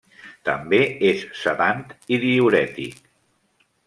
També és sedant i diürètic.